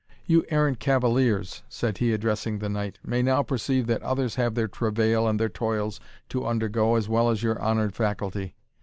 "You errant cavaliers," said he, addressing the knight, "may now perceive that others have their travail and their toils to undergo as well as your honoured faculty.